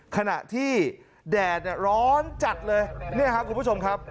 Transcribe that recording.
ขณะที่แดดร้อนจัดเลยเนี่ยครับคุณผู้ชมครับ